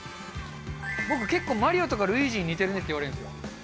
僕結構、マリオとかルイージに似てるねっていわれるんですよ。